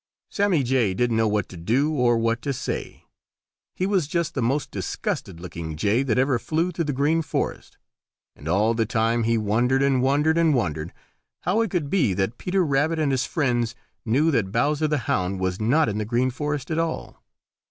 Sammy Jay didn't know what to do or what to say. He was just the most disgusted looking Jay that ever flew through the Green Forest, and all the time he wondered and wondered and wondered how it could be that Peter Rabbit and his friends knew that Bowser the Hound was not in the Green Forest at all.